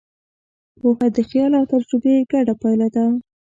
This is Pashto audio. پوهه د خیال او تجربې ګډه پایله ده.